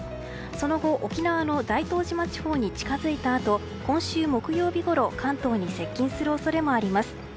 その後、沖縄の大東島地方に近づいたあと今週木曜日ごろ関東に接近する恐れもあります。